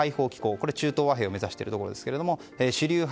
こちらは中東和平を目指しているところですが主流派